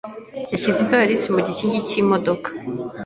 yashyize ivalisi ye mu gikingi cy’imodoka.